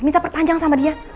minta perpanjang sama dia